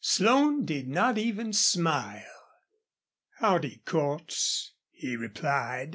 Slone did not even smile. "Howdy, Cordts," he replied.